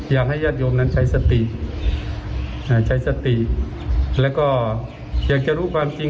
อยากให้ญาติโยมนั้นใช้สติใช้สติแล้วก็อยากจะรู้ความจริง